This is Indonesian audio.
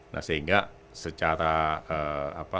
nah sehingga secara apa